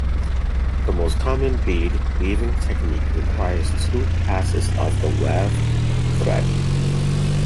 The most common bead weaving technique requires two passes of the weft thread.